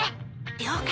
了解。